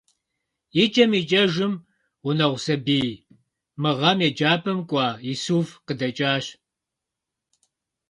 Икӏэм икӏэжым, гъунэгъу сабий - мы гъэм еджапIэм кӏуа Исуф - къыдэкӏащ.